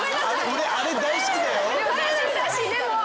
俺あれ大好きだよ。